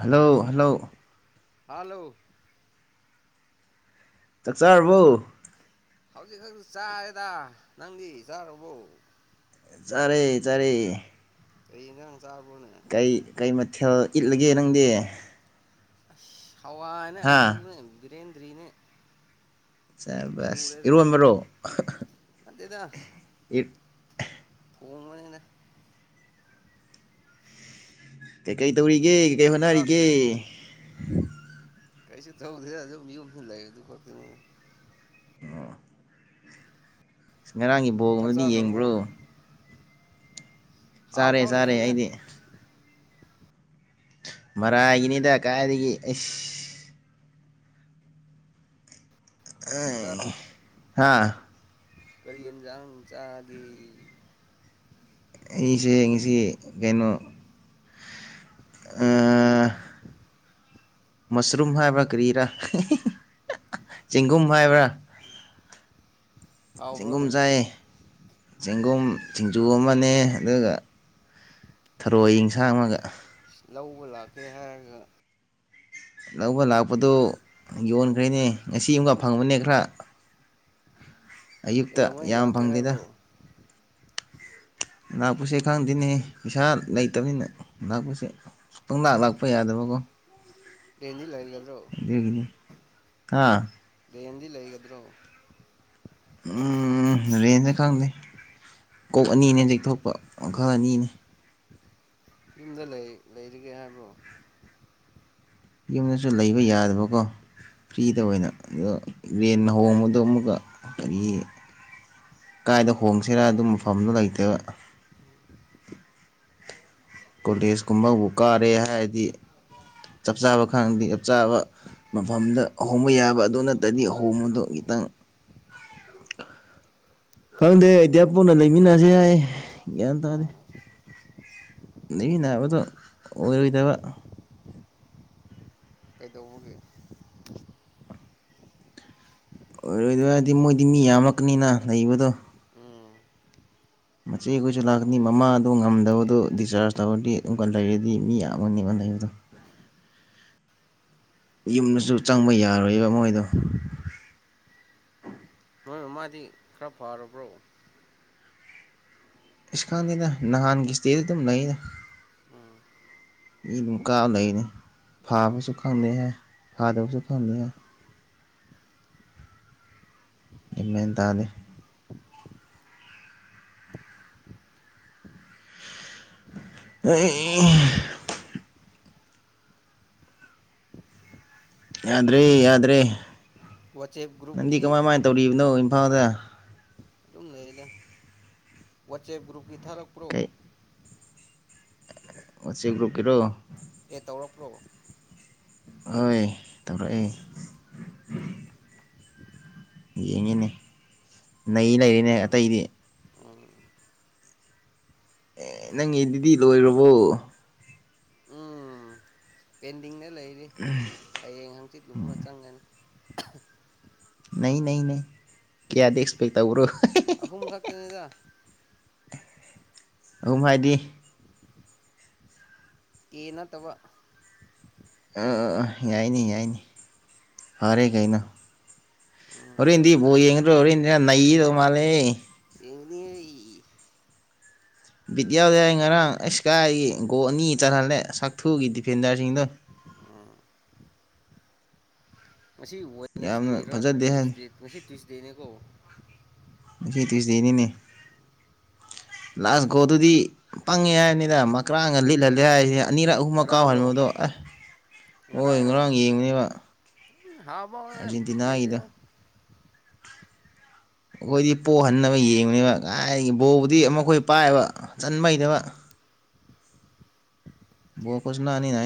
hello hello hello ꯆꯥꯛꯆꯥꯥꯔꯕꯧ ꯍꯧꯖꯤꯛ ꯈꯁꯨ ꯆꯥꯔꯦꯗ ꯅꯪꯗꯤ ꯆꯥꯔꯕꯣ ꯆꯔꯩ ꯆꯔꯩ ꯀꯅꯅ ꯁꯥ ꯀꯩ ꯀꯩ ꯃꯊꯦꯜ ꯏꯠꯂꯒꯦ ꯅꯪꯗꯤ ꯑ ꯊꯋꯥ ꯍꯥꯏꯅ ꯍꯥ ꯑꯂꯨꯅꯦ ꯕ꯭ꯔꯦꯟ ꯔꯤꯅꯤ ꯁ ꯏꯔꯨ ꯃꯔꯔꯣ ꯅꯠꯇꯦꯗ ꯊꯣꯡꯕꯅꯤꯅ ꯇ ꯀꯩ ꯇꯧꯔꯤꯒꯦ ꯀꯩ ꯍꯣꯠꯅ ꯑꯩ ꯆꯥꯛ ꯀ ꯀꯩꯁꯨ ꯇꯧꯗꯦ ꯌ ꯂꯩ ꯑꯗꯨ ꯈ ꯉꯔꯥꯡꯒꯤ ꯕꯣ ꯆꯥꯛ ꯑꯗꯨꯗꯤ ꯆꯥꯈ꯭ꯔꯕꯣ ꯌꯦꯡꯕ꯭ꯔꯣ ꯆꯥꯔꯦ ꯍꯥꯐꯥꯎ ꯆꯥꯔꯦ ꯌꯥꯏꯅ ꯑꯩꯗꯤ ꯃꯔꯥꯏꯒꯤꯅꯤꯗ ꯀꯥꯏꯗꯒꯤ ꯑꯩ ꯎ ꯍꯥꯥ ꯀꯔꯤ ꯏꯟꯖꯥꯡ ꯆꯥꯒꯦ ꯁꯤ ꯀꯩꯅꯣ ꯑ ꯃꯁꯔꯨꯝ ꯍꯥꯏꯕ꯭ꯔꯥ ꯀꯔꯤꯔꯥ ꯆꯦꯡꯒꯨꯝ ꯍꯥꯏꯕ꯭ꯔꯥ ꯆꯦꯡꯒꯨꯝ ꯍꯥꯎꯕ꯭ꯔꯣꯅꯦ ꯆꯥꯏ ꯆꯦꯡꯒꯣꯝ ꯁꯤꯡꯖꯨ ꯑꯃꯅꯦ ꯑꯗꯨꯒ ꯊꯔꯣꯏ ꯑꯦꯟꯁꯥꯡ ꯑꯃꯒ ꯂꯧꯕ ꯂꯥꯛꯀꯦ ꯍꯥꯏꯔꯒ ꯂꯧꯕ ꯂꯥꯛꯄꯗꯨ ꯌꯣꯟꯈ꯭ꯔꯦꯅꯦ ꯉꯁꯤ ꯑꯃꯒ ꯐꯪꯕꯅꯦ ꯈꯔ ꯑꯌꯨꯛꯇ ꯀꯩꯗꯧꯉꯩ ꯌꯥꯝ ꯂꯥꯛꯀꯦ ꯐꯪꯗꯦꯗ ꯍꯥꯏꯕ꯭ꯔꯣ ꯂꯥꯛꯄꯨꯁꯦ ꯈꯪꯗꯦꯅꯦ ꯄꯩꯁꯥ ꯂꯩꯇꯕꯅꯤꯅ ꯂꯥꯛꯄꯨꯁꯦ ꯄꯨꯡꯗꯥꯛ ꯂꯥꯛꯄ ꯌꯥꯗꯕꯀꯣ ꯂꯩꯅꯤ ꯂꯩꯒ ꯦꯒꯅꯤ ꯑꯥ ꯗꯦꯟꯗꯤ ꯂꯩꯒꯗ꯭ꯔꯣ ꯎꯝ ꯔꯦꯟꯖꯇ ꯈꯪꯗꯩ ꯀꯣꯛ ꯑꯅꯤꯅꯦ ꯍꯧꯖꯤꯦꯛ ꯊꯣꯛꯄ ꯃꯈꯜ ꯑꯅꯤꯅꯦ ꯌꯨꯝꯗ ꯂꯩꯔꯤꯒꯦ ꯍꯥꯏꯕ꯭ꯔꯣ ꯌꯨꯝꯗꯁꯨ ꯂꯩꯕ ꯌꯥꯗꯕꯀꯣ ꯐ꯭ꯔꯤꯗ ꯑꯣꯏꯅ ꯑꯣ ꯔꯦꯟꯅ ꯍꯣꯡꯕꯗꯣ ꯑꯃꯨꯛꯀ ꯀꯔꯤ ꯀꯥꯏꯗ ꯍꯣꯡꯁꯤꯔꯥ ꯑꯗꯨ ꯃꯐꯝꯗꯣ ꯂꯩꯇꯕ ꯀꯣꯂꯦꯖ ꯀꯨꯝꯕꯕꯨ ꯀꯥꯔꯦ ꯍꯥꯏꯔꯗꯤ ꯆꯞ ꯆꯥꯕ ꯈꯪꯗꯦ ꯆꯞ ꯆꯥꯕ ꯎꯝ ꯃꯐꯝꯗ ꯑꯍꯣꯡꯕ ꯌꯥꯕ ꯑꯗꯨ ꯅꯠꯇ꯭ꯔꯗꯤ ꯑꯍꯣꯡꯕꯗꯣ ꯈꯤꯇꯪ ꯈꯪꯗꯦ ꯑꯩꯗꯤꯌꯥ ꯄꯨꯟꯅ ꯂꯩꯃꯤꯟꯅꯁ ꯌꯥꯏꯌꯦ ꯒ꯭ꯌꯥꯟ ꯇꯥꯔꯦ ꯑꯥ ꯅꯅꯦ ꯑꯕꯗ ꯑꯣꯏꯗꯕ ꯗꯧꯕꯒꯦ ꯑꯣꯏꯔꯣꯏꯗꯣꯏ ꯑꯣꯏꯔꯗꯤ ꯃꯣꯏꯗꯤ ꯃꯤ ꯌꯥꯝꯃꯛꯀꯅꯤꯅ ꯂꯩꯕꯗꯣ ꯎꯝ ꯃꯆꯦ ꯑꯩꯈꯣꯏꯁꯨ ꯂꯥꯛꯀꯅꯤ ꯌꯥꯝꯒꯅꯤ ꯌꯥꯝꯒꯅꯤ ꯃꯃꯥꯗ ꯉꯝꯗꯕꯗꯨ ꯗꯤꯆꯥꯔꯖ ꯇꯧꯔꯗꯤ ꯑꯃꯨꯛꯀ ꯂꯩꯔꯗꯤ ꯃꯤ ꯌꯥꯝꯒꯅꯦꯕ ꯂꯩꯕꯗꯣ ꯌꯨꯝꯗꯁꯨ ꯆꯪꯕ ꯌꯥꯔꯣꯏꯕ ꯃꯣꯏꯗꯣ ꯅꯣꯏ ꯃꯃꯥꯗꯤ ꯈꯔ ꯐꯔꯕ꯭ꯔꯣ ꯑꯁ ꯈꯪꯗꯦꯅ ꯅꯍꯥꯟꯒꯤ ꯏꯁꯇꯦꯖ ꯑꯗꯨꯝ ꯂꯩꯅ ꯎꯝ ꯃꯤ ꯑꯗꯨꯝ ꯀꯥꯕ ꯂꯩꯅꯤ ꯐꯥꯕꯁꯨ ꯈꯪꯗꯦ ꯍꯥꯏ ꯐꯥꯗꯕꯁꯨ ꯈꯪꯗꯦ ꯍꯥꯏ ꯃ ꯇꯥꯜꯂꯤꯦ ꯑꯩ ꯌꯥꯗꯔꯤ ꯌꯥꯗꯔꯤ ꯋꯥꯆꯦꯞ ꯅꯟꯗꯤ ꯒ꯭ꯔꯨꯞꯀꯤ ꯀꯃꯥꯏꯃꯥꯏꯅ ꯇꯧꯔꯤꯅꯣ ꯐꯥꯗꯦ ꯑꯗꯨꯝ ꯂꯩꯗ ꯋꯥꯆꯦ ꯭ꯔꯨꯀꯤ ꯊꯔꯛꯄꯔꯣ ꯀꯩ ꯋꯥꯆꯦꯞ ꯒꯔꯨꯞꯀꯤꯔꯣ ꯑꯦ ꯇꯧꯔꯛꯄ꯭ꯔꯣ ꯍꯣꯏ ꯇꯧꯔꯛꯑꯏ ꯌꯦꯡꯉꯅꯦ ꯅ ꯂꯩꯔꯤꯅꯦ ꯑꯇꯩꯗꯤ ꯑꯦ ꯅꯪꯒꯤ ꯑꯗꯨꯗꯤ ꯂꯣꯏꯔꯕꯣ ꯄꯦꯟꯗꯤꯅꯦ ꯂꯩꯔꯤ ꯍꯌꯦꯡ ꯍꯪꯆꯤꯠꯒꯨꯝꯕ ꯆꯪꯒꯅꯤ [inaudible] ꯅꯩ ꯅꯩ ꯅꯩ ꯀꯌꯥꯗ ꯑꯩꯁꯄꯦꯛ ꯇꯧꯕ꯭ꯔꯣ [inaudible] ꯑꯨꯝ ꯍꯥꯏꯗꯤ ꯀ ꯅꯠꯇꯕ ꯑꯥ ꯑꯥ ꯑꯥ ꯌꯥꯏꯅꯤ ꯌꯥꯏꯅꯤ ꯐꯔꯦ ꯀꯩꯅꯣ ꯍꯣꯔꯦꯟ ꯎꯝ ꯏꯦꯟꯗꯤ ꯕꯣ ꯌꯦꯡꯒꯗ꯭ꯔꯣ ꯍꯣꯔꯦꯟ ꯏꯦꯟꯗꯤꯅ ꯅꯩꯗꯧ ꯃꯥꯜꯂꯦ ꯌꯦꯡꯅꯤ ꯕꯤꯠ ꯌꯥꯎ ꯌꯥ ꯌꯥꯏ ꯉꯔꯥꯡ ꯑꯩ ꯏꯁꯀꯥꯏꯒꯤ ꯒꯣꯜ ꯑꯅꯤ ꯆꯜꯍꯜꯂꯦ ꯁꯥꯛꯊꯨꯒꯤ ꯗꯤꯐꯦꯟꯗꯔꯁꯤꯡꯗꯣ ꯎꯝ ꯉꯁꯤ ꯋꯦꯦꯟꯁꯗꯦ ꯌꯥꯝꯅ ꯔ ꯐꯖꯗꯦ ꯍꯥꯏ ꯇ꯭ꯌꯁꯗꯦ ꯉꯁꯤ ꯇ꯭ꯌꯨꯁꯗꯦ ꯅ ꯀꯣ ꯉ ꯇ꯭ꯌꯨꯁꯗꯦꯅꯤꯅꯦ ꯂꯥꯁ ꯒꯣꯗꯨꯗꯤ ꯄꯪꯉꯦ ꯍꯥꯏꯅꯤꯅ ꯃꯀ꯭ꯔꯥꯒ ꯂꯤꯠꯍꯜꯂꯦ ꯍꯥꯏꯁꯦ ꯑꯅꯤꯔꯛ ꯑꯍꯨꯝꯃ ꯉꯔꯥꯡꯔꯣ ꯀꯥꯎꯍꯟꯕꯗꯣ ꯑꯦ ꯍꯣꯏ ꯉꯔꯥꯡꯔꯣ ꯉꯔꯥꯡ ꯌꯦꯡꯅꯦꯕ ꯍꯥꯎꯕ ꯕꯤꯠ ꯑꯥꯔꯖꯦꯟꯇꯤꯅꯥꯒꯤꯗ ꯂꯩꯗ ꯑꯩꯈꯣꯏꯗꯤ ꯄꯣꯛꯍꯟꯅꯕ ꯌꯦꯡꯕꯅꯦꯕ ꯀꯥꯏꯒꯤ ꯕꯣꯕꯨꯗꯤ ꯑꯃ ꯑꯩꯈꯣꯏ ꯄꯥꯏꯑꯕ ꯆꯟꯕꯩꯕ ꯈꯨꯁꯨꯅ ꯑꯅꯤꯅ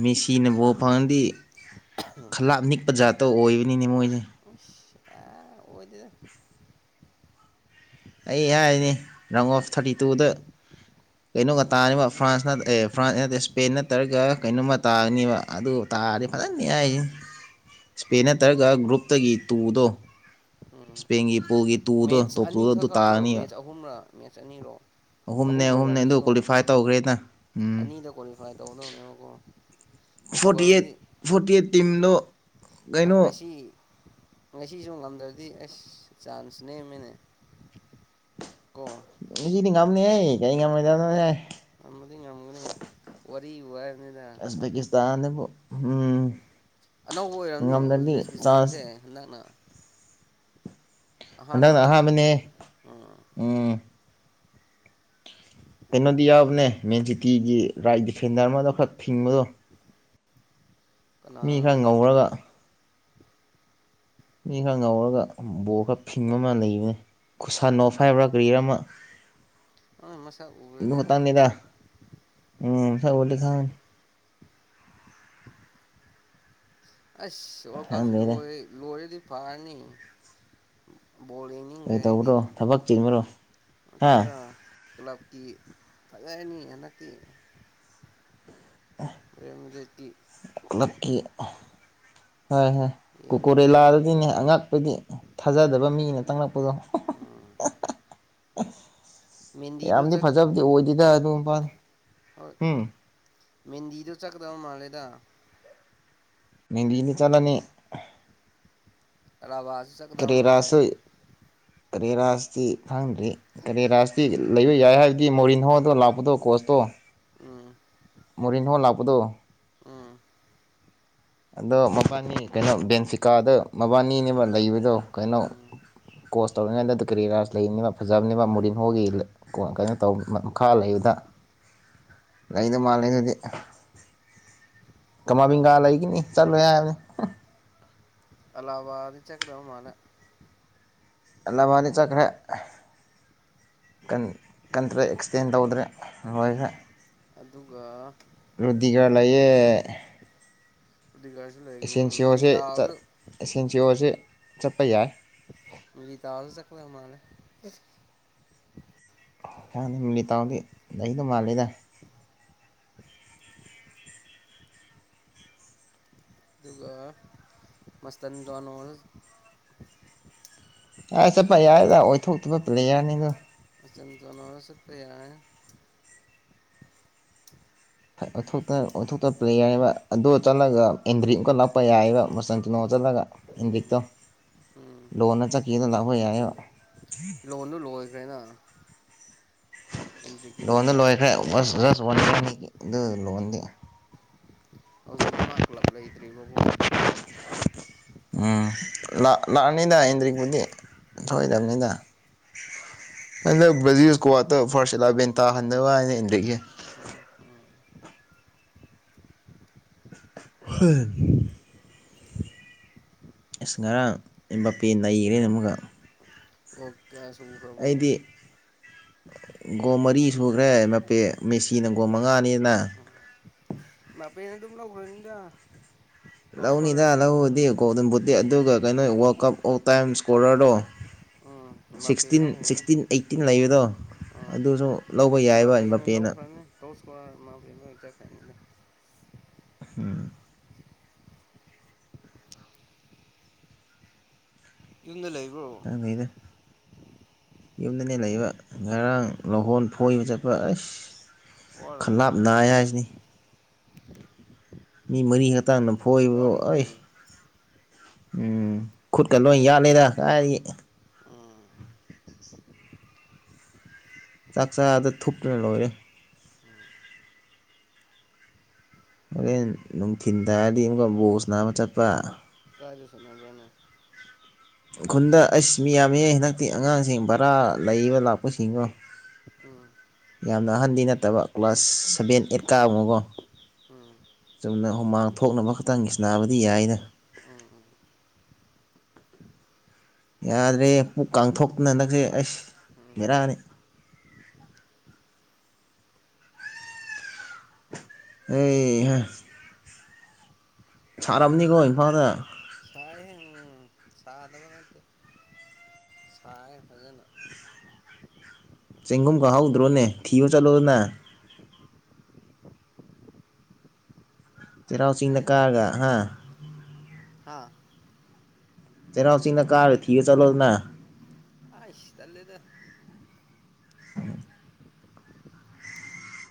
ꯃꯤ ꯁꯤꯅꯕꯨꯥꯎ ꯐꯪꯗꯤ ꯈꯂꯥꯞ ꯅꯤꯛꯄ ꯖꯥꯠꯇ ꯑꯣꯏꯕꯅꯤꯅꯦ ꯃꯣꯏꯁꯦ ꯑꯗꯨ ꯑꯩ ꯍꯥꯏꯔꯤꯅꯤ ꯔꯪ ꯑꯣꯐ ꯊꯥꯔꯇꯤ ꯇꯨꯗ ꯀꯩꯅꯣꯒ ꯇꯥꯅꯤꯕ ꯐ꯭ꯔꯥꯟꯁ ꯑꯦ ꯐ꯭ꯔꯥꯟꯁ ꯅꯠꯇꯦ ꯏꯁꯄꯦꯟ ꯅꯠꯇ꯭ꯔꯔꯒ ꯀꯩꯅꯣꯝꯃ ꯇꯥꯅꯤꯕ ꯑꯗꯨ ꯇꯥꯔꯗꯤ ꯎꯝ ꯐꯖꯅ ꯌꯥꯔꯤꯁꯤꯅꯤ ꯏꯁꯄꯦꯟ ꯅꯠꯇ꯭ꯔꯒ ꯒ꯭ꯔꯨꯞꯇꯒꯤ ꯇꯨꯗꯣ ꯎꯝ ꯏꯁꯄꯦꯟꯒꯤ ꯇꯣꯞꯄꯨꯜꯒꯤ ꯇꯨꯗꯣ ꯇꯣꯞ ꯇꯨꯗꯣ ꯑꯗꯨ ꯇꯥꯔꯅꯤꯕ ꯃꯦꯠꯆ ꯑꯅꯤꯔꯣ ꯑꯍꯨꯝꯅꯦ ꯑꯍꯨꯝ ꯑꯍꯨꯝꯅꯦ ꯑꯗꯨ ꯑꯣꯏꯔꯝꯅꯤꯀꯣ ꯀ꯭ꯋꯥꯂꯤꯐꯥꯏ ꯇꯧꯈ꯭ꯔꯦꯅ ꯎꯝ ꯑꯅꯤꯗ ꯀ꯭ꯋꯥꯂꯤꯐꯥꯏ ꯇꯧꯒꯗꯕꯅꯦꯕꯀꯣ ꯐꯣꯔꯇꯤ ꯑꯩꯠ ꯄꯣꯔꯇꯨꯒꯜꯗꯤ ꯐꯣꯔꯇꯤ ꯑꯩꯠ ꯇꯝꯅ ꯉꯁꯤ ꯉꯁꯤꯁꯨ ꯉꯝꯗ꯭ꯔꯗꯤ ꯑꯁ ꯆꯥꯟꯁ ꯅꯦꯝꯃꯤꯅꯦ ꯀꯣ ꯀꯝꯅꯤ ꯀꯩ ꯉꯝꯗ ꯑꯣꯔꯤꯕ ꯎꯁꯕꯀꯤꯇꯥꯟꯕꯨ ꯎꯝ ꯑꯅꯧꯕ ꯑꯣꯏꯔꯝꯅꯤ ꯉꯝꯗ꯭ꯔꯗꯤ ꯎꯖꯕꯦꯀꯤꯁꯇꯥꯟꯁꯦ ꯆꯥꯟꯁ ꯍꯟꯗꯛꯅ ꯍꯟꯗꯛꯅ ꯑꯍꯥꯟꯕꯔꯣ ꯑꯍꯟꯕꯅꯦ ꯎꯝ ꯎꯝ ꯀꯩꯅꯣꯗꯤ ꯌꯥꯎꯕꯅꯦ ꯃꯦꯟꯖꯤꯇꯤꯒꯤ ꯔꯥꯏꯠ ꯗꯤꯐꯦꯟꯗꯔ ꯑꯃꯗ ꯈꯛ ꯊꯤꯡꯕꯗꯣ ꯃꯤ ꯈꯔ ꯀꯅꯥꯅꯣꯅꯦ ꯉꯧꯔꯒ ꯃꯤꯈꯛ ꯉꯧꯔꯒ ꯕꯣꯔ ꯈꯔ ꯐꯤꯡꯕ ꯑꯃ ꯂꯩꯕꯅꯤ ꯈꯨꯁꯟꯅꯣ ꯐ ꯍꯥꯏꯕ꯭ꯔꯥ ꯀꯔꯤꯔ ꯑꯃ ꯑꯗꯨ ꯃꯁꯗꯤ ꯈꯛꯇꯪꯅꯤꯗ ꯎꯝ ꯁꯒꯜꯂꯤ ꯈꯅꯤ ꯑꯁ ꯑꯣ ꯀꯜꯁꯤ ꯈꯪꯗꯦꯗ ꯂꯣꯏꯦ ꯂꯣꯏꯔꯦꯗꯤ ꯄꯅꯤ ꯑꯦ ꯇꯧꯕ꯭ꯔꯣ ꯊꯕꯛ ꯆꯤꯟꯕ꯭ꯔꯣ ꯍꯥ ꯅꯇ‌ꯦꯗ ꯀꯂꯞ ꯀ ꯐꯖꯅꯤ ꯍꯠꯇ ꯑꯥ ꯑꯦꯝ ꯇꯇꯤ ꯀꯂꯞꯀꯤ ꯍꯣꯏ ꯍꯣꯏ ꯌꯦꯡꯅꯤꯡꯈ꯭ꯔꯦꯕ ꯀꯣꯀꯣꯔꯦꯂꯥꯗꯗꯤꯅꯦ ꯑꯉꯛꯄꯗꯤ ꯊꯥꯖꯗꯕ ꯃꯤꯅ ꯇꯪꯂꯛꯄꯗꯣ ꯎꯝ ꯃꯦꯟꯗꯤꯗꯣ ꯌꯥꯝꯗꯤ ꯆꯠ ꯐꯖꯕꯗꯤ ꯑꯣꯏꯗꯗ ꯑꯗꯨꯝ ꯋꯥꯠ ꯎꯝ ꯃꯦꯗꯤꯗ ꯆꯠꯀꯗꯥꯕ ꯃꯥꯂꯦꯗ ꯅꯗꯤꯗꯤ ꯆꯂꯅꯤ ꯔꯕ ꯇ ꯆꯗ ꯃꯥꯅꯦ ꯀꯔꯤꯔꯥ ꯁꯤ ꯈꯪꯗ꯭ꯔ‌ꯦ ꯀꯔꯤ ꯔꯥꯥꯁꯒꯤ ꯂꯩꯕ ꯌꯥꯏ ꯍꯥꯏꯕꯗꯤ ꯃꯣꯔꯤꯟꯍꯣꯗꯣ ꯂꯥꯛꯄꯗꯣ ꯀꯣꯁꯇꯣ ꯎꯝ ꯃꯣꯔꯟ ꯍꯣ ꯂꯥꯛꯄꯗꯣ ꯎꯝ ꯑꯗꯣ ꯃꯕꯥꯅꯤ ꯀꯩꯅꯣ ꯕꯦꯟꯐꯤꯀꯥꯗ ꯃꯕꯥꯅꯤꯅꯦꯕ ꯂꯩꯕꯗꯣ ꯀꯩꯅꯣ ꯎꯝ ꯀꯣꯁ ꯇꯧꯔꯤꯉꯩꯗ ꯀꯦꯔꯤ ꯔꯥꯖ ꯂꯩꯅꯦꯕ ꯐꯖꯕꯅꯦꯕ ꯎꯝ ꯃꯨꯔꯤꯟ ꯍꯣꯒꯤ ꯀꯩꯅꯣ ꯇ ꯃꯈꯥ ꯂꯩꯕꯗ ꯂꯩꯗ ꯃꯥꯜꯂꯦ ꯑꯗꯨꯗꯤ ꯀꯃꯥꯕꯤꯡꯒꯥ ꯂꯩꯒꯤꯅꯤ ꯆꯠꯂꯣꯏ ꯍꯥꯏꯕꯅꯤ ꯑꯂꯥꯕꯗꯤ ꯆꯠꯒꯗ ꯃꯥꯜꯂ‌ꯦ ꯑ ꯂꯝꯕꯥꯅꯤ ꯆꯠꯈ꯭ꯔꯦ ꯀꯟꯇ꯭ꯔꯦ ꯑꯦꯛꯁꯇꯦꯟ ꯇꯧꯗ꯭ꯔꯦ ꯂꯣꯏꯈ꯭ꯔꯦ ꯑꯗꯨꯒ ꯔꯨꯗꯤ ꯈꯔ ꯂꯩꯌꯦꯦ ꯔꯨꯗꯤꯒꯔꯁꯨ ꯂꯩꯒꯅꯤ ꯁꯟꯁꯤ ꯑꯣꯁꯦ ꯃꯤꯂꯤꯇꯥꯜꯁꯨ ꯁꯦꯟꯁꯤ ꯑꯣꯁꯦ ꯆꯄꯥꯏ ꯃ ꯇ ꯆꯂ ꯃꯥꯅ ꯅꯤꯇꯥꯎꯗꯤ ꯑꯗꯣ ꯃꯥꯜꯂꯦꯗ ꯑꯗꯨꯒ ꯃꯁꯇꯟ ꯗꯣꯅꯣꯜ ꯑ ꯆꯠꯄ ꯌꯥꯏꯗ ꯑꯣꯏꯊꯣꯛꯇꯕ ꯄ꯭ꯂꯦꯌꯥꯔꯅꯤꯗꯣ ꯑꯆ ꯆꯅ ꯑꯁꯛꯇ ꯌꯥꯏ ꯑꯣꯏꯊꯣꯛꯇ ꯄ꯭ꯂꯦꯌꯔꯦꯕ ꯑꯗꯨ ꯆꯠꯂꯒ ꯑꯦꯟꯗ꯭ꯔꯤꯠ ꯑꯃꯨꯀ ꯂꯥꯛꯄ ꯌꯥꯏꯑꯕ ꯃꯆꯟꯇꯨꯅꯣ ꯆꯠꯂꯒ ꯎꯝ ꯑꯦꯟꯗ꯭ꯔꯤꯠꯇꯣ ꯎꯝ ꯂꯣꯟꯅ ꯆꯠꯀꯗ ꯂꯥꯛꯄ ꯌꯥꯏꯑꯕ ꯂꯣꯟꯗꯣ ꯂꯣꯏꯈ꯭ꯔꯦꯅ ꯑꯦꯟꯗ꯭ꯔꯤꯛꯀꯤꯗꯣ ꯂꯣꯟ ꯂꯈꯦ ꯂꯣꯟꯗꯤ ꯍꯧꯖꯤꯛ ꯃꯥ ꯀ꯭ꯂꯕ ꯂꯩꯇ꯭ꯔꯤꯕꯕꯨ ꯎꯝ ꯂꯥꯛꯑꯅꯤꯗ ꯑꯦꯟꯗ꯭ꯔꯤꯛꯄꯨꯗꯤ ꯁꯣꯏꯏꯗꯕꯅꯤꯗ ꯍꯟꯗꯛ ꯖꯤꯀꯣꯇ ꯐꯥꯔꯁ ꯑꯦꯂꯚꯦꯟ ꯇꯥꯍꯟꯗꯕ ꯍꯥꯏꯅ ꯑꯦꯟꯗ꯭ꯔꯤꯛꯀꯤ ꯎꯝ ꯑꯁ ꯉꯔ ꯑꯩ ꯄꯦ ꯂꯩꯈꯔꯦ ꯑꯃꯒ ꯀ ꯁ ꯐ꯭ꯔꯕꯣ ꯒꯣ ꯃꯔꯤ ꯁꯨꯈ꯭ꯔꯦ ꯃꯄꯦ ꯃꯦꯁꯤꯅ ꯒꯣ ꯃꯉꯥꯅꯤꯅ ꯃꯄꯦꯅ ꯑꯗꯨꯝ ꯂꯧꯥꯎꯈ꯭ꯔꯅꯤꯗ ꯂꯧꯅꯤꯗ ꯂꯧꯗꯦ ꯀꯧ ꯑꯗꯨꯝꯕꯨꯗꯤꯦ ꯑꯗꯨꯒ ꯀꯩꯅꯣ ꯋꯥꯔꯜ ꯀꯞ ꯑꯣꯐ ꯇꯥꯏꯝ ꯏꯁꯀꯣꯔꯔꯗꯣ ꯎꯝ ꯃꯥꯄꯦ ꯁꯤꯛꯁꯇꯤꯟ ꯂꯧꯔꯅꯤ ꯁꯤꯛꯁꯇꯤꯟ ꯑꯩꯠꯇꯤꯟ ꯂꯩꯕꯗꯣ ꯑꯥ ꯑꯗꯨꯁꯨ ꯂꯧꯕ ꯌꯥꯏꯕ ꯃꯄꯦꯅ ꯏ ꯃꯦꯕ ꯆꯈꯅꯤꯗ ꯎꯝ ꯏꯝ ꯂꯩ ꯑ ꯅꯗ ꯌꯨꯝꯗꯅꯦ ꯂꯩꯕ ꯉꯔꯥꯡ ꯂꯧꯍꯣꯟ ꯐꯣꯏꯕ ꯆꯠꯄ ꯑꯁ ꯈꯜꯪꯂꯥꯞ ꯋꯥꯔꯝꯅꯤꯅꯦ ꯅꯥꯏ ꯍꯥꯏꯁꯤꯅꯤ ꯃꯤ ꯃꯔꯤ ꯍꯛꯇꯥꯡꯅ ꯐꯣꯏꯕꯗ ꯋꯥꯔꯝꯅꯤ ꯑꯩ ꯎꯝ ꯈꯨꯠꯀ ꯂꯣꯏ ꯌꯥꯠꯂꯤꯗ ꯍꯥꯏ ꯎꯝ ꯆꯥꯛ ꯆꯥꯗ ꯊꯨꯞꯇꯅ ꯂꯣꯏꯔꯦ ꯍꯣꯔꯦꯟ ꯅꯨꯡꯊꯤꯤꯟ ꯇꯥꯔꯗꯤ ꯑꯃꯨꯛꯀ ꯕꯣꯁ ꯅꯥ ꯑꯃ ꯆꯠꯄ ꯀꯥꯏꯗ ꯁꯅꯕ꯭ꯔꯅꯦ ꯈꯨꯈꯟꯗ ꯑꯩꯁ ꯃꯤ ꯌꯥꯝꯃꯤ ꯍꯟꯗꯛꯇꯤ ꯑꯉꯥꯡꯁꯤꯡ ꯚꯔꯥ ꯂꯩꯕ ꯂꯥꯛꯄꯁꯤꯡꯒꯣ ꯎꯝ ꯌꯥꯝꯅ ꯑꯍꯟꯗꯤ ꯅꯠꯇꯕ ꯀ꯭ꯂꯥꯁ ꯁꯚꯦꯟ ꯑꯦꯠ ꯀꯥ ꯑꯃꯒꯣ ꯎꯝ ꯆꯨꯝꯅ ꯍꯨꯃꯥꯡ ꯊꯣꯛꯅꯕ ꯈꯛꯇꯪ ꯁꯟꯅꯕꯗꯤ ꯌꯥꯏꯅ ꯎꯝ ꯎꯝ ꯌꯥꯗ꯭ꯔꯦ ꯄꯨꯛ ꯀꯥꯡꯊꯣꯛꯇꯨꯅ ꯍꯟꯗꯛꯁꯦ ꯑꯩꯁ ꯎꯝ ꯌꯦꯔꯛꯑꯅꯤ ꯑꯦ ꯁꯥꯝꯅꯤꯀꯣ ꯏꯝꯐꯥꯜꯗ ꯁꯥꯏ ꯍꯦ ꯁꯥꯗꯕ ꯅꯠꯇꯦ ꯁꯥꯏ ꯐꯖꯅ ꯆꯦꯡꯒꯨꯝ ꯈꯍꯧꯗ꯭ꯔꯣꯅꯦ ꯊꯤꯌꯣ ꯆꯠꯂꯣ ꯅ ꯇꯔꯥꯎꯁꯤꯡ ꯂꯀꯒꯒ ꯑꯥ ꯆꯩꯅꯥꯎ ꯆꯤꯅ ꯀꯥꯔꯦ ꯊꯤꯔ ꯆꯠꯂꯣꯗꯅ ꯑ ꯏꯁꯗ ꯂꯩꯗ ꯑ